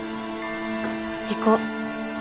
行こう。